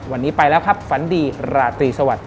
วันนี้ไปแล้วครับฝันดีราตรีสวัสดิ